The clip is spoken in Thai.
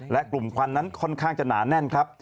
และกลุ่มควันนั้นค่อนข้างจะหนาแน่นครับ